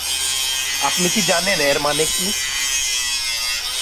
আপনি কি জানেন এর মানে কি?